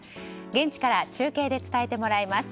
現地から中継で伝えてもらいます。